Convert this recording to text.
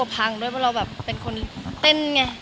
มีปิดฟงปิดไฟแล้วถือเค้กขึ้นมา